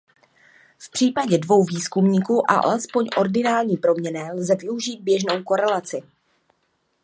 V případě dvou výzkumníků a alespoň ordinální proměnné lze využít běžnou korelaci.